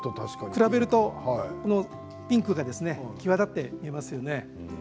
比べるとピンクが際立って見えますよね。